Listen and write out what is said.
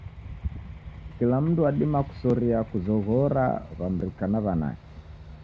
Kila mndu wadima kusoria kuzoghora w'amrika na w'anake.